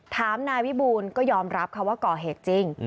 ถามนายพี่บูนก็ยอมรับว่าก่อเหตุจริง